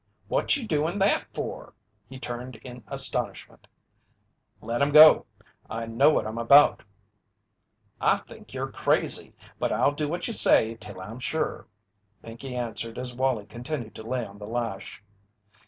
"What you doin' that for?" He turned in astonishment. "Let 'em go I know what I'm about!" "I think you're crazy, but I'll do what you say till I'm sure," Pinkey answered as Wallie continued to lay on the lash.